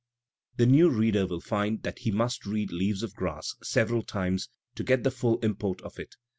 The new reader will find that he must read "Leaves of Grass'' several times to get the full import of it.